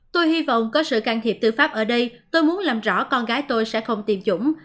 tôi hy vọng có sự can thiệp tư pháp ở đây tôi muốn làm rõ con gái tôi sẽ không tiêm chủng